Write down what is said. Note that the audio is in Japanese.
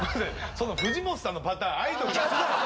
その藤本さんのパターンアイドルがすな！